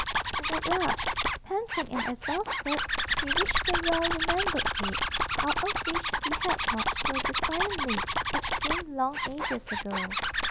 And at last, panting and exhausted, he reached the well remembered gate, out of which he had marched so defiantly, it seemed long ages ago.